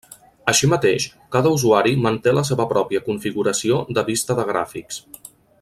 Així mateix, cada usuari manté la seva pròpia configuració de vista de gràfics.